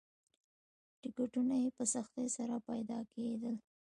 ټکټونه یې په سختۍ سره پیدا کېدل.